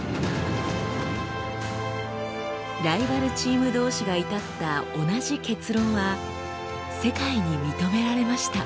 ライバルチーム同士が至った同じ結論は世界に認められました。